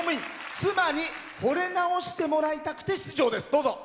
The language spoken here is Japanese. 妻にほれ直してもらいたくて出場です。